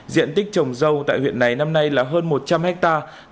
diện tích trồng dâu tại huyện này năm nay là hơn một trăm linh hectare